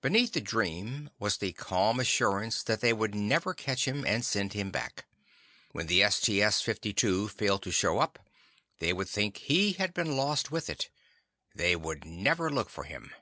Beneath the dream was the calm assurance that they would never catch him and send him back. When the STS 52 failed to show up, they would think he had been lost with it. They would never look for him.